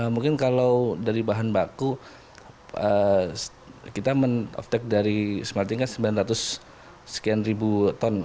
mungkin kalau dari bahan baku kita men off take dari smelter ini kan sembilan ratus sekian ribu ton